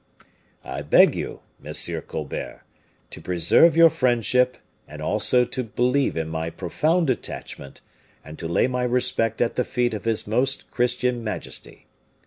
I beg you, Monsieur Colbert, to preserve your friendship and also to believe in my profound attachment, and to lay my respect at the feet of His Most Christian Majesty.